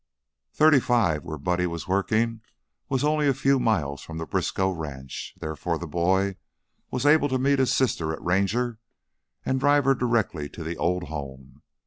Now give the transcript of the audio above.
"Thirty five," where Buddy was working, was only a few miles from the Briskow ranch, therefore the boy was able to meet his sister at Ranger and drive her directly to the old home.